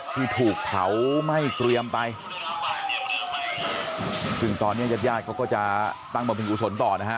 ที่ถูกเผาไหม้เกรียมไปซึ่งตอนเนี้ยญาติญาติเขาก็จะตั้งบำเพ็กกุศลต่อนะฮะ